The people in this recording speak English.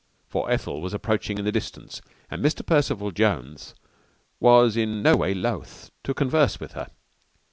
For Ethel was approaching in the distance and Mr. Percival Jones was in no way loth to converse with her.